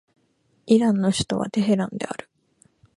イランの首都はテヘランである